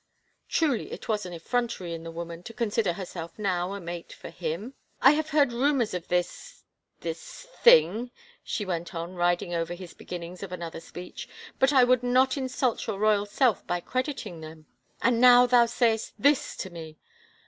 Truly, it was effrontery in the woman to consider herself now a mate for him !" I have heard nmiors of this — this thing," she went on riding over his beginnings of another speech, " but I would not insult your royal self by crediting them. ... And now thou sayest this to me